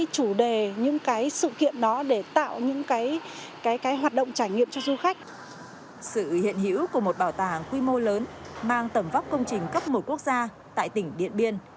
sự hiện hữu của một bảo tàng quy mô lớn mang tầm vóc công trình cấp một quốc gia tại tỉnh điện biên